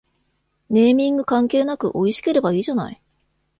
ネーミング関係なくおいしければいいじゃない